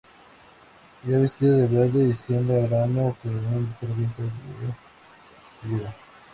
Va vestida de verde y siembra grano que un ligero viento se lleva.